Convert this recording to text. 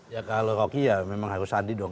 ya kalau rocky ya memang harus adi dong